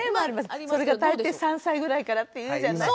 それが大抵３歳ぐらいからっていうじゃない。